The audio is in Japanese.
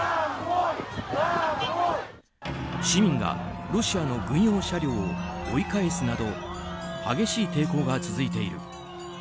市民がロシアの軍用車両を追い返すなど激しい抵抗が続いている。